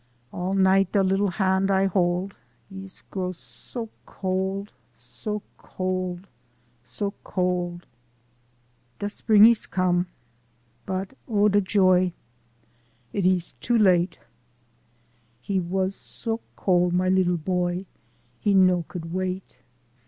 All night da leetla hand I hold Ees grow so cold, so cold, so cold. "Da spreeng ees com'; but O da joy Eet ees too late! He was so cold, my leetla boy, He no could wait."